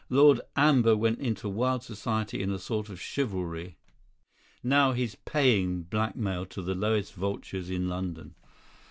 Lord Amber went into wild society in a sort of chivalry; now he's paying blackmail to the lowest vultures in London.